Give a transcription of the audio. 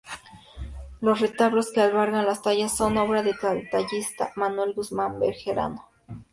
Los retablos que albergan las tallas son obra del tallista Manuel Guzmán Bejarano.